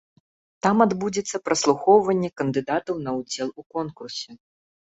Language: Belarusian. Там адбудзецца праслухоўванне кандыдатаў на ўдзел у конкурсе.